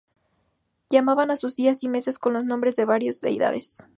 Llamaban a sus días y meses con los nombres de varias deidades.